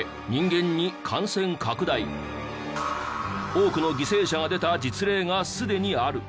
多くの犠牲者が出た実例がすでにある。